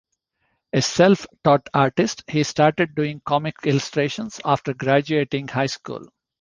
A self-taught artist, he started doing comics illustrations after graduating high school.